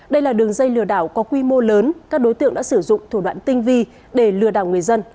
đây là đường dây lừa đảo có quy mô lớn các đối tượng đã sử dụng thủ đoạn tinh vi để lừa đảo người dân